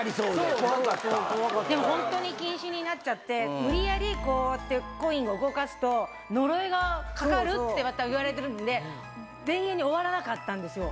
でもホントに禁止になっちゃって無理やりこうやって。がかかるっていわれてるんで永遠に終わらなかったんですよ。